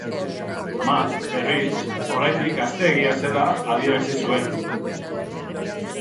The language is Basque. Amak, berriz, oraindik gazteegia zela adierazi zuen.